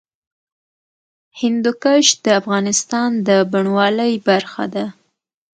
هندوکش د افغانستان د بڼوالۍ برخه ده.